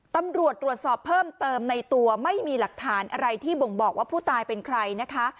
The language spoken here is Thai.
ตำรวจตรวจสอบเพิ่มเติมในตัวไม่มีหลักฐานอะไรที่บ่งบอกว่าผู้ตายเป็นใครนะคะ